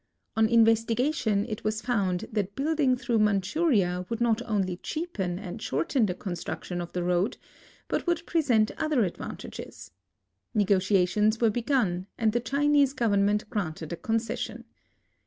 On investigation it was found that building through Manchuria would not only cheapen and shorten the construction of the road, but would present other advantages. Negotiations were begun, and the Chinese government granted a concession.